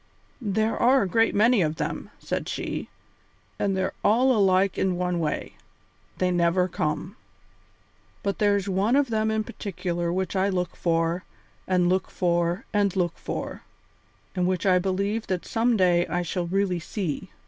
"There are a great many of them," said she, "and they're all alike in one way they never come. But there's one of them in particular which I look for and look for and look for, and which I believe that some day I shall really see.